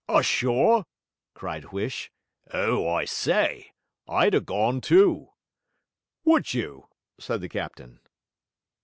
'Ashore?' cried Huish. 'Oh, I say! I'd 'a gone too.' 'Would you?' said the captain.